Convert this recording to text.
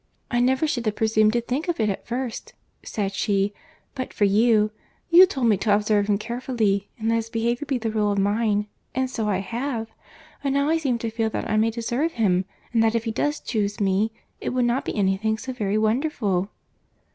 "I never should have presumed to think of it at first," said she, "but for you. You told me to observe him carefully, and let his behaviour be the rule of mine—and so I have. But now I seem to feel that I may deserve him; and that if he does chuse me, it will not be any thing so very wonderful."